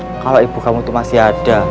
coba kalau ibu kamu tuh masih ada